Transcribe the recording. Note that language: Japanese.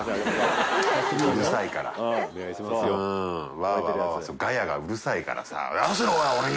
ワワガヤがうるさいからさ。